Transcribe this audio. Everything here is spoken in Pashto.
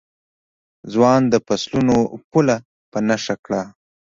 ځوان د فصلونو پوله په نښه کړه.